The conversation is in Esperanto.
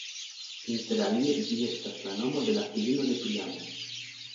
Interalie ĝi estas la nomo de la filino de Priamo.